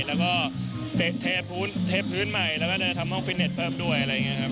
แล้วก็เทพื้นเทพื้นใหม่แล้วก็จะทำห้องฟิตเน็ตเพิ่มด้วยอะไรอย่างนี้ครับ